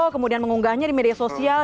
kemudian mengunggahnya di media sosial